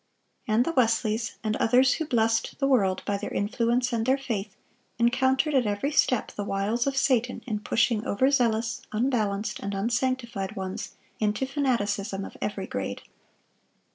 And the Wesleys, and others who blessed the world by their influence and their faith, encountered at every step the wiles of Satan in pushing overzealous, unbalanced, and unsanctified ones into fanaticism of every grade.